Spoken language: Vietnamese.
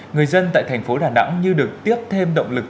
người dân tại thành phố đà nẵng như được tiếp thêm động lực